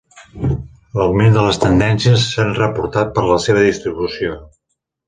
L'augment de les tendències s'han reportat per a la seva distribució.